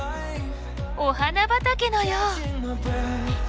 お花畑のよう！